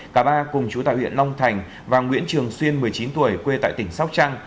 cả ba cùng chú tại huyện long thành và nguyễn trường xuyên một mươi chín tuổi quê tại tỉnh sóc trăng